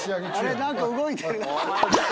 何か動いてる。